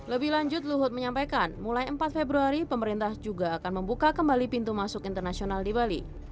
lebih lanjut luhut menyampaikan mulai empat februari pemerintah juga akan membuka kembali pintu masuk internasional di bali